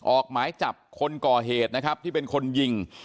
ออกหมายจับคนก่อเหตุนะครับที่เป็นคนยิง